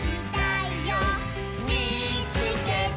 「みいつけた」